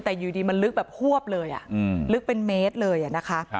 แต่อยู่ดีมันลึกแบบฮวบเลยลึกเป็นเมตรเลยนะคะ